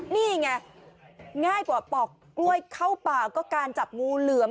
นี่ไงง่ายกว่าปอกกล้วยเข้าป่าก็การจับงูเหลือม